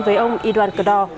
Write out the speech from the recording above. với ông y doan cờ đo